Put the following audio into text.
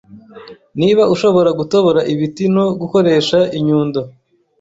Niba ushobora gutobora ibiti no gukoresha inyundo,